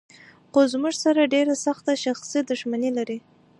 خو زموږ سره ډېره سخته شخصي دښمني لري.